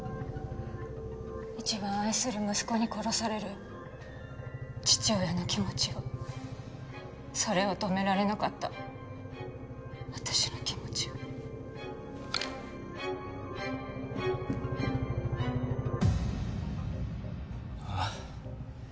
一番愛する息子に殺される父親の気持ちをそれを止められなかった私の気持ちをはっ？